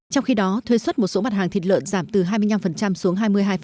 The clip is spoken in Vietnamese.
trong khi đó thuế xuất một số mặt hàng thịt lợn giảm từ hai mươi năm xuống hai mươi hai